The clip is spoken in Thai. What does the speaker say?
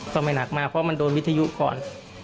ก็ไม่หนักมากเพราะมันโดนวิทยุก่อน